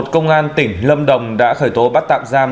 công an tỉnh lâm đồng đã khởi tố bắt tạm giam